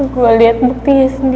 gue liat buktinya sendiri